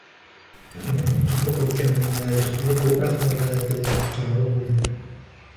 أفمن يخلق كمن لا يخلق أفلا تذكرون